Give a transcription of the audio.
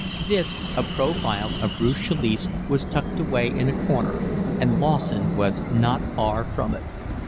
This, a profile of Ruth Chalice, was tucked away in a corner, and Lawson was not far from it.